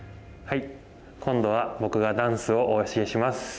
はい今度は僕がダンスをお教えします。